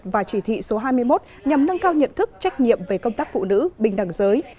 và chỉ thị số hai mươi một nhằm nâng cao nhận thức trách nhiệm về công tác phụ nữ bình đẳng giới